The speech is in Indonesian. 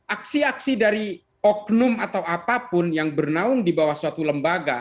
aksi aksi dari oknum atau apapun yang bernaung di bawah suatu lembaga